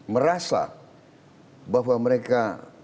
merasa bahwa mereka